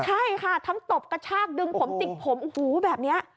ใช่ค่ะทั้งตบกระชากดึงผมจิกผมโอ้โหแบบนี้